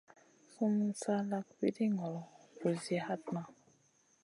Sumun sa lak wiɗi ŋolo, vulzi hatna.